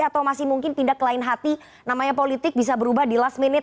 atau masih mungkin pindah ke lain hati namanya politik bisa berubah di last minute